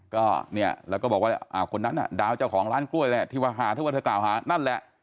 ก็เนี่ยแล้วก็บอกว่าคนนั้นน่ะดาวเจ้าของร้านกล้วยแหละที่ว่าหาที่ว่าเธอกล่าวหานั่นแหละ